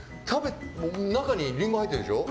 中にリンゴ入ってるでしょ。